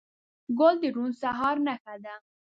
ګل د روڼ سهار نښه ده.